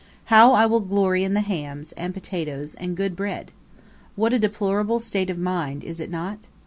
How I will glory in the hams, and potatoes, and good bread! What a deplorable state of mind, is it not?